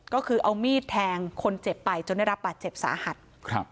ก็คือเอามีดแทงคนเจ็บไปจนได้รับบาดเจ็บสาหัสครับ